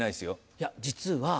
いや実は。